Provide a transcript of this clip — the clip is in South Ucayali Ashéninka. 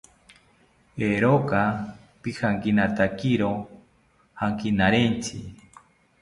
Eeeroka pijankinatakiro jankinarentzi